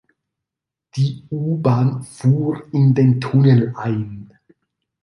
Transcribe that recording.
Die U-Bahn fuhr in den Tunnel ein.